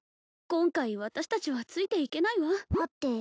今回私達はついていけないわはて？